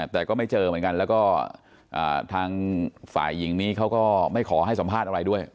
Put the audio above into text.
แต่ก็ไม่เจอเหมือนกันแล้วก็ทางฝ่ายหญิงนี้เขาก็ไม่ขอให้สัมภาษณ์อะไรด้วย